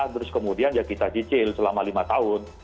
terus kemudian ya kita cicil selama lima tahun